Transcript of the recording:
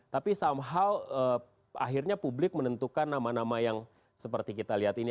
tapi somehow akhirnya publik menentukan nama nama yang seperti kita lihat ini